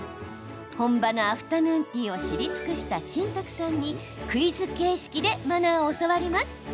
本場のアフタヌーンティーを知り尽くした新宅さんにクイズ形式でマナーを教わります。